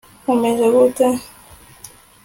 umeze ute